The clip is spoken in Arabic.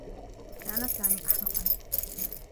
كان سامي أحمقا.